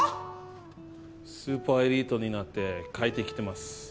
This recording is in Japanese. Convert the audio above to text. スーパーエリートになって帰ってきてます。